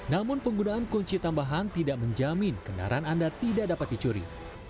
namun penggunaan kunci tambahan tidak menjamin kendaraan anda tidak dapat dicuri